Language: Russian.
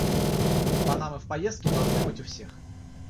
Панамы в поездке должны быть у всех.